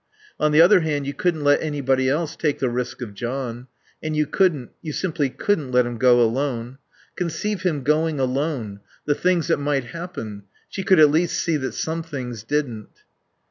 On the other hand you couldn't let anybody else take the risk of John; and you couldn't, you simply couldn't let him go alone. Conceive him going alone the things that might happen; she could at least see that some things didn't.